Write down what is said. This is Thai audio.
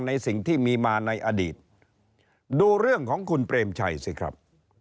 ในสิ่งที่มีมาในอดีตดูเรื่องของคุณเปรมชัยสิครับ